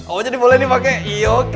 oh jadi boleh dipake iya oke